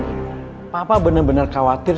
ibu papa bener bener khawatir